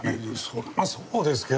それはそうですけど。